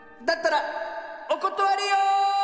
だったらおことわりよ！